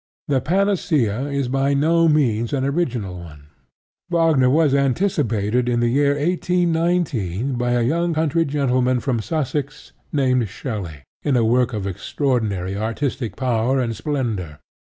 The panacea is by no means an original one. Wagner was anticipated in the year 1819 by a young country gentleman from Sussex named Shelley, in a work of extraordinary artistic power and splendor.